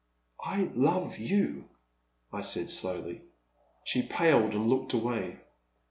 I love you,*' I said, slowly. She paled and looked away.